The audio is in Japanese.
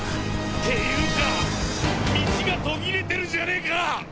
っていうか道が途切れてるじゃねぇか！